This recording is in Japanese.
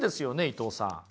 伊藤さん。